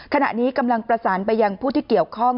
ขณะนี้กำลังประสานไปยังผู้ที่เกี่ยวข้อง